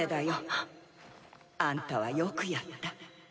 はっ！あんたはよくやった。